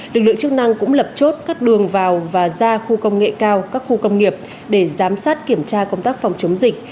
lực lượng chức năng cũng lập chốt các đường vào và ra khu công nghệ cao các khu công nghiệp để giám sát kiểm tra công tác phòng chống dịch